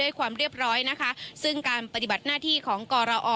ความเรียบร้อยนะคะซึ่งการปฏิบัติหน้าที่ของกรอ